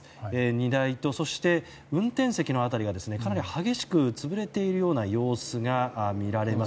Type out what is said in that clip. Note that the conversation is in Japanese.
荷台と、そして運転席の辺りがかなり激しく潰れているような様子が見られます。